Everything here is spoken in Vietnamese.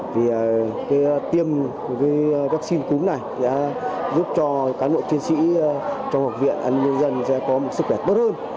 vì tiêm vaccine cúm này sẽ giúp cho cán bộ chiến sĩ trong học viện an ninh nhân dân có sức khỏe tốt hơn